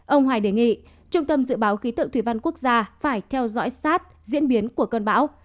ông hoài đề nghị trung tâm dự báo khí tượng thủy văn quốc gia phải theo dõi sát diễn biến của cơn bão